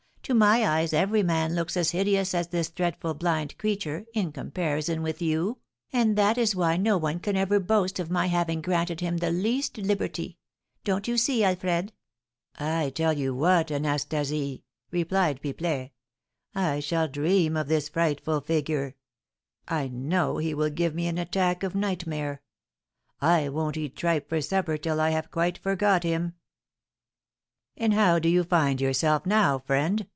to my eyes every man looks as hideous as this dreadful blind creature in comparison with you, and that is why no one can ever boast of my having granted him the least liberty, don't you see, Alfred?" "I tell you what, Anastasie," replied Pipelet, "I shall dream of this frightful figure. I know he will give me an attack of nightmare. I won't eat tripe for supper till I have quite forgot him." "And how do you find yourself now, friend?"